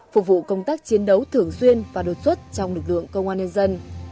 phục vụ công tác chiến đấu thường xuyên và đột xuất trong lực lượng công an nhân dân